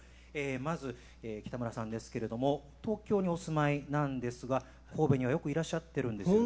まず北村さんですけれども東京にお住まいなんですが神戸にはよくいらっしゃってるんですよね。